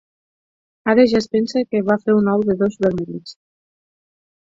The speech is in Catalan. Ara ja es pensa que va fer un ou de dos vermells!